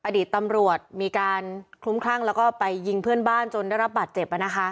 อดีตตำรวจมีการคลุ้มคลั่งแล้วก็ไปยิงเพื่อนบ้านจนได้รับบาดเจ็บ